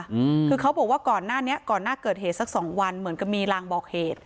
อืมคือเขาบอกว่าก่อนหน้านี้ก่อนหน้าเกิดเหตุสักสองวันเหมือนกับมีรางบอกเหตุ